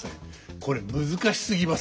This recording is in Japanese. これ難しすぎます。